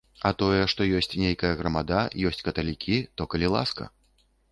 А тое, што ёсць нейкая грамада, ёсць каталікі, то калі ласка.